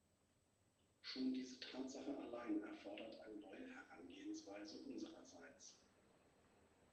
Schon diese Tatsache allein erfordert eine neue Herangehensweise unsererseits.